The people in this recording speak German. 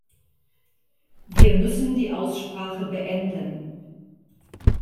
Wir müssen die Aussprache beenden.